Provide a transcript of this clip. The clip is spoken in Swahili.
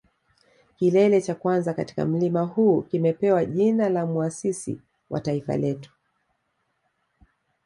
Kilele cha kwanza katika mlima huu kimepewa jina la muasisi wa taifa letu